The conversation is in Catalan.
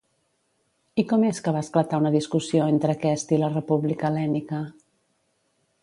I com és que va esclatar una discussió entre aquest i la República Hel·lènica?